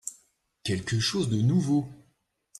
Quelque chose de nouveau.